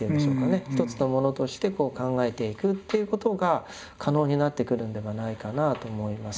一つのものとして考えていくっていうことが可能になってくるんではないかなあと思います。